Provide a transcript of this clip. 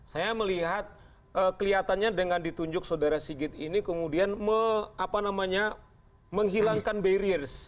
saya melihat kelihatannya dengan ditunjuk saudara sigit ini kemudian menghilangkan barriers